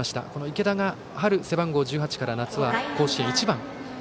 池田が春は背番号１８から夏は甲子園１番。